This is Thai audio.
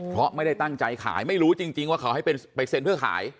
เพราะไม่ได้ตั้งใจขายไม่รู้จริงว่าเขาให้ไปเซ็นเพื่อขาย